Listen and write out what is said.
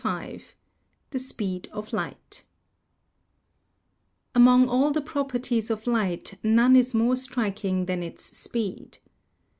CHAPTER V THE SPEED OF LIGHT Among all the properties of light none is more striking than its speed.